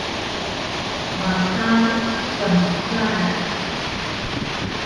mtaru kmxalan